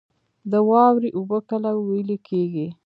د واورې اوبه کله ویلی کیږي؟